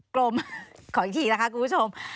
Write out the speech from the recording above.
กลมขออีกทีนะคะคุณผู้ชม